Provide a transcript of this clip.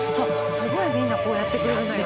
すごいみんなこうやってくれるのよ。